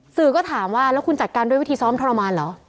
สื่อก็ถามว่าแล้วคุณจัดการด้วยวิธีซ้อมทรมานเหรอ